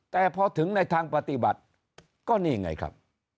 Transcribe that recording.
แต่พอถึงในทางปฏิบัติก็นี่ไงครับ